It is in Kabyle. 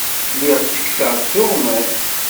Lliɣ ttekkseɣ-d tuɣmas.